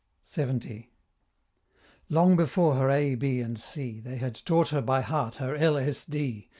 LXX. Long before her A B and C, They had taught her by heart her L. S. D.